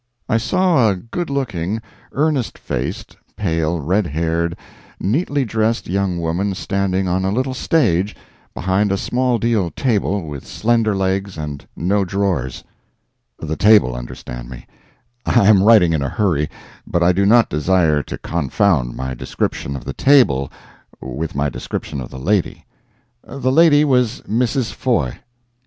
I saw a good looking, earnest faced, pale red haired, neatly dressed, young woman standing on a little stage behind a small deal table with slender legs and no drawers—the table, understand me; I am writing in a hurry, but I do not desire to confound my description of the table with my description of the lady. The lady was Mrs. Foye.